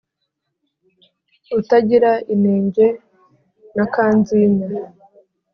Utagira inenge na kanzinya.